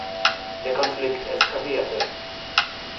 Der Konflikt eskalierte.